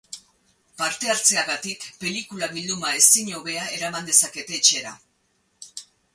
Parte hartzeagatik, pelikula bilduma ezin hobea eraman dezakete etxera.